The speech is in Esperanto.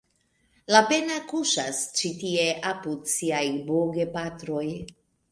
Lapenna kuŝas ĉi tie apud siaj bogepatroj.